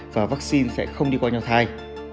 và vaccine sẽ không đi qua nhau thai